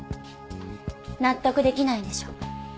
納得出来ないんでしょ？